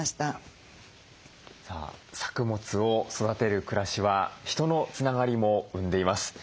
さあ作物を育てる暮らしは人のつながりも生んでいます。